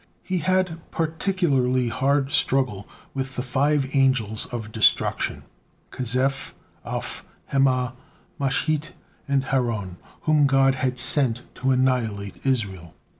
He had particularly hard struggle with the five Angels of Destruction: Kezef, Af, Hemah, Mashhit, and Haron, whom God had sent to annihilate Israel.